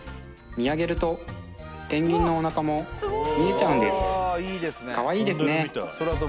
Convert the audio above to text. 見上げるとペンギンのおなかも見えちゃうんですかわいいですね